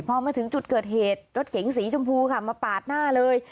พอมาถึงจุดเกิดเหตุรถเก๋งสีชมพูค่ะมาปาดหน้าเลย